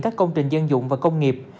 các công trình dân dụng và công nghiệp